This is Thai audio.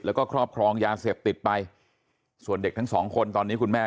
แล้วก็ครอบครองยาเสพติดไปส่วนเด็กทั้งสองคนตอนนี้คุณแม่